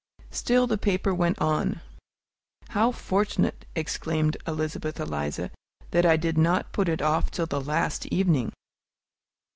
Still the paper went on. "How fortunate," exclaimed Elizabeth Eliza, "that I did not put it off till the last evening!"